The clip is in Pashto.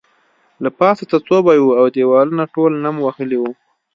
له پاسه څڅوبی وو او دیوالونه ټول نم وهلي وو